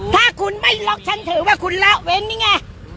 ถ้าคุณไม่ล็อกฉันถือว่าคุณละเว้นนี่ไง